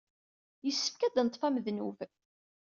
Yessefk ad d-neṭṭef amednub.